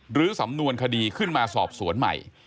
สำนวนคดีขึ้นมาสอบสวนใหม่